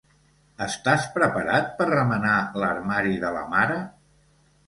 Estàs preparat per remenar l'armari de la mare?